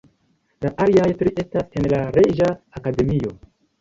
La aliaj tri estas en la Reĝa Akademio.